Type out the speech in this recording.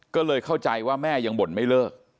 ก็เลยเข้าใจว่าแม่ยังบ่นไม่เลิก